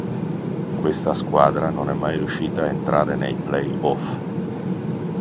Questa squadra non è mai riuscita a entrare nei play-off.